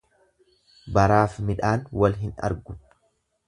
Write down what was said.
Baraaf midhaan wal hin argu.